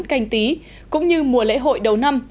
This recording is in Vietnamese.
canh tí cũng như mùa lễ hội đầu năm